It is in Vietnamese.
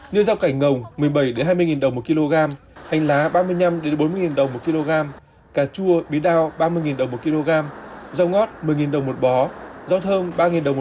như rau cảnh ngồng hành lá cà chua rau ngót rau thơm